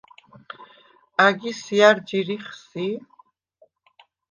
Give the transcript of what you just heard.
ა̈გის ჲა̈რ ჯირიხ სი?